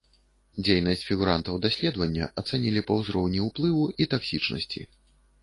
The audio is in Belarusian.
Дзейнасць фігурантаў даследавання ацанілі па ўзроўні ўплыву і таксічнасці.